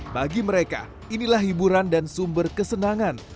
bagi mereka inilah hiburan dan sumber kesenangan